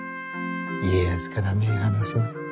家康から目ぇ離すな。